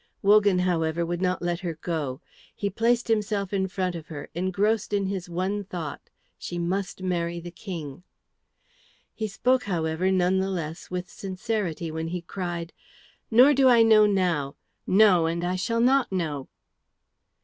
Wogan, however, would not let her go. He placed himself in front of her, engrossed in his one thought, "She must marry the King." He spoke, however, none the less with sincerity when he cried, "Nor do I know now no, and I shall not know."